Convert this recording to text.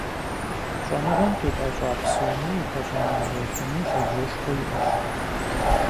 ЩӀэныгъэм къитӀэщӀа псоми упэщӀэмыувэфыну, лъабжьэшхуэ яӀэщ.